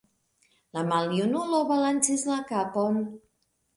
La maljunulo balancis la kapon.